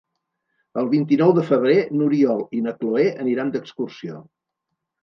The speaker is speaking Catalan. El vint-i-nou de febrer n'Oriol i na Cloè aniran d'excursió.